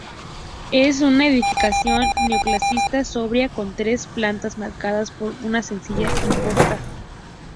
Es una edificación neoclásica sobria, con tres plantas marcadas por una sencilla imposta.